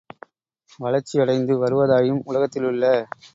வளர்ச்சி யடைந்து வருவதாயும், உலகத்திலுள்ள